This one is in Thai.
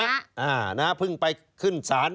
ทหารซายซน่ะโชฮะเพิ่งสารไปขึ้น